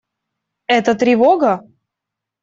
Это тревога?